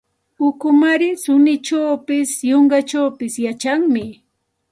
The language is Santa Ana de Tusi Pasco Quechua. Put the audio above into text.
Ukumaari suninchawpis, yunkachawpis yachanmi.